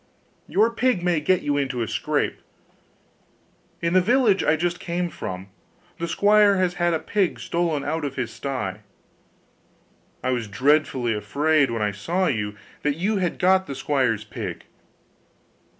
Your pig may get you into a scrape. In the village I just came from, the squire has had a pig stolen out of his sty. I was dreadfully afraid when I saw you that you had got the squire's pig.